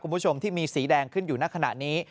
คุณผู้ชมที่มีสีแดงขึ้นอยู่ในขณะนี้